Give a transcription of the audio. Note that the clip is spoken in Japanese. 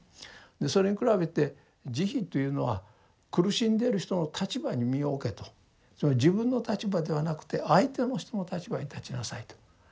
でそれに比べて「慈悲」というのは苦しんでいる人の立場に身を置けとつまり自分の立場ではなくて相手の人の立場に立ちなさいと。